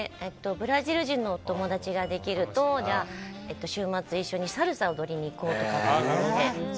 ブラジル人のお友達ができると週末、一緒にサルサを踊りに行こうとか。